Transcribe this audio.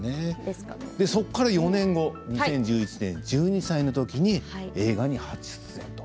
そこから４年後２０１１年１２歳のときに映画に初出演。